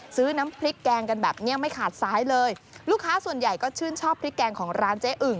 ซื้อน้ำพริกแกงกันแบบเนี้ยไม่ขาดซ้ายเลยลูกค้าส่วนใหญ่ก็ชื่นชอบพริกแกงของร้านเจ๊อึ่ง